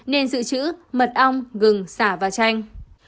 nên dự trữ mật ong gừng sả và chanh